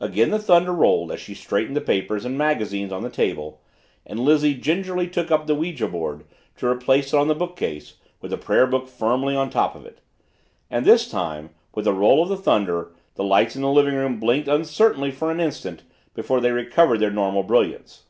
Again the thunder rolled as she straightened the papers and magazines on the table and Lizzie gingerly took up the ouija board to replace it on the bookcase with the prayer book firmly on top of it. And this time, with the roll of the thunder, the lights in the living room blinked uncertainly for an instant before they recovered their normal brilliance.